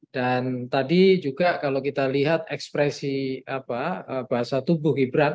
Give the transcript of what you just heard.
dan tadi juga kalau kita lihat ekspresi bahasa tubuh gibran